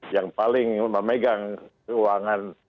yang paling memegang keuangan